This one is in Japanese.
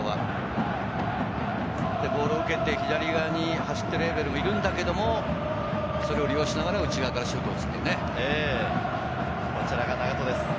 ボールを受けて左側に走っているエウベルもいるんだけれど、利用しながら内側からシュートを打つ。